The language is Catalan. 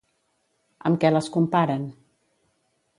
Amb què les comparen?